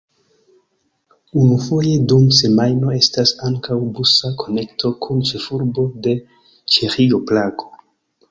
Unufoje dum semajno estas ankaŭ busa konekto kun ĉefurbo de Ĉeĥio, Prago.